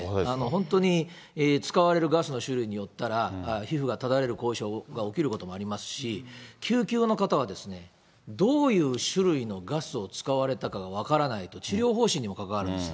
本当に使われるガスの種類によったら、皮膚がただれる後遺症が起きることもありますし、救急の方はどういう種類のガスを使われたかが分からないと、治療方針にも関わるんです。